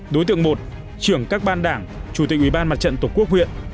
đối tượng một trưởng các ban đảng chủ tịch ủy ban mặt trận tổ quốc huyện